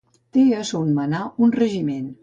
Té a son manar un regiment.